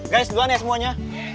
guys duluan ya semuanya